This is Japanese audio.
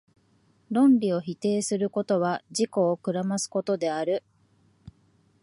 論理を否定することは、自己を暗ますことである。